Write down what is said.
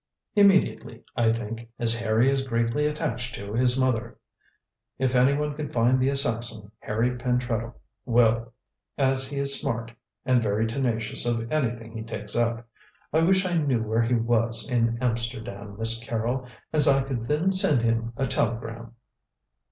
"Immediately, I think, as Harry is greatly attached to, his mother. If anyone can find the assassin, Harry Pentreddle will, as he is smart, and very tenacious of anything he takes up. I wish I knew where he was in Amsterdam, Miss Carrol, as I could then send him a telegram."